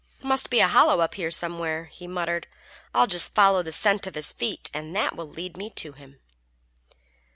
"Must be a hollow up here somewhere," he muttered. "I'll just follow the scent of his feet, and that will lead me to him."